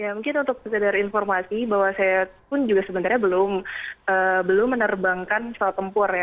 ya mungkin untuk sekedar informasi bahwa saya pun juga sebenarnya belum menerbangkan pesawat tempur ya